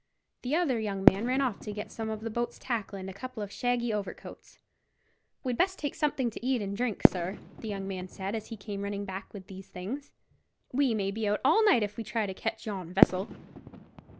The other young man ran off to get some of the boat's tackle and a couple of shaggy overcoats. "We'd best take something to eat and drink, sir," the young man said, as he came running back with these things; "we may be out all night, if we try to catch yon vessel."